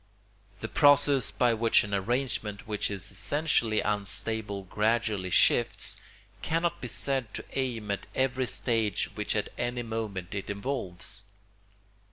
The process by which an arrangement which is essentially unstable gradually shifts cannot be said to aim at every stage which at any moment it involves.